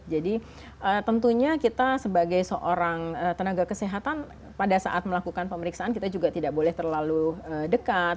jadi tentunya kita sebagai seorang tenaga kesehatan pada saat melakukan pemeriksaan kita juga tidak boleh terlalu dekat